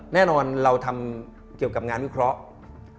แน่นอนเราทำเกี่ยวกับงานวิเคราะห์